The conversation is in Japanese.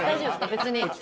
別に。